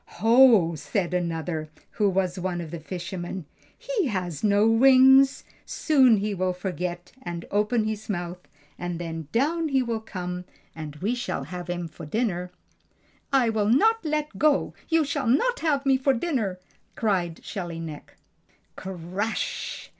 "Ho!" said another, who was one of the fishermen. "He has no wings; soon he will forget and open his mouth, and then down he will come and we shall have him for dinner." "I will not let go! You shall not have me for dinner!" cried Shelly Neck. Crash!